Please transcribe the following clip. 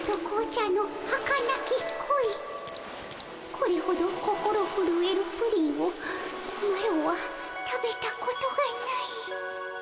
これほど心ふるえるプリンをマロは食べたことがない。